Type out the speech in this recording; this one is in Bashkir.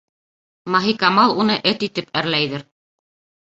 Маһикамал уны эт итеп әрләйҙер.